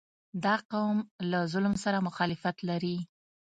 • دا قوم له ظلم سره مخالفت لري.